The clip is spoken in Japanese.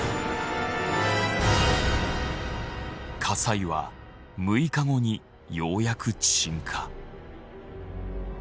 火災は６日後にようやく鎮火。